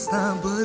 aku akan pergi